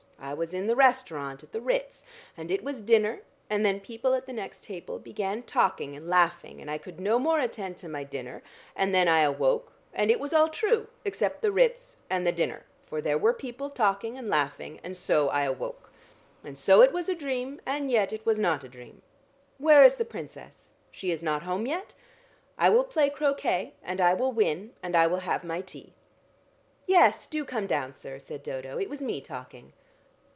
I was in the restaurant at the Ritz, and it was dinner, and then people at the next table began talking and laughing, and I could no more attend to my dinner, and then I awoke, and it was all true except the Ritz and the dinner, for there were people talking and laughing, and so I awoke. And so it was a dream, and yet it was not a dream. Where is the Princess? She is not home yet? I will play croquet, and I will win and I will have my tea." "Yes, do come down, sir," said Dodo. "It was me talking."